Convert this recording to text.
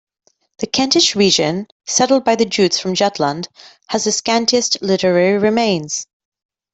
The Kentish region, settled by the Jutes from Jutland, has the scantiest literary remains.